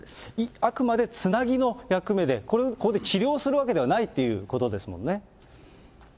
あくまでつなぎの役目で、ここで治療するわけではないっていうことですもんね。